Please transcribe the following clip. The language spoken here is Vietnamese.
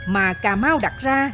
mà cà mau đặt ra